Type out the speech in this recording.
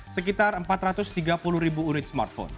sekitar empat ratus tiga puluh ribu unit smartphone